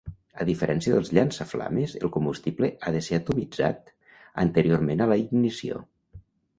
A diferència dels llançaflames, el combustible ha de ser atomitzat anteriorment a la ignició.